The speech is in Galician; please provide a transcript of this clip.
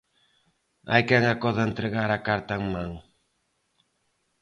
Hai quen acode a entregar a carta en man.